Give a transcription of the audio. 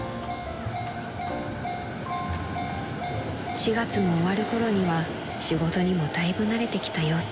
［４月も終わるころには仕事にもだいぶ慣れてきた様子］